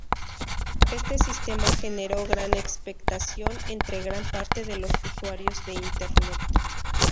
Este sistema generó gran expectación entre gran parte de los usuarios de Internet.